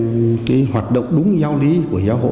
nó là một cái hoạt động đúng giáo lý của giáo hội